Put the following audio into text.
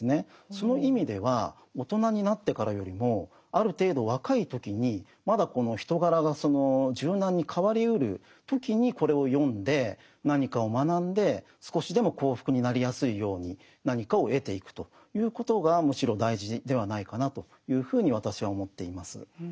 その意味では大人になってからよりもある程度若い時にまだこの人柄が柔軟に変わりうる時にこれを読んで何かを学んで少しでも幸福になりやすいように何かを得ていくということがむしろ大事ではないかなというふうに私は思っています。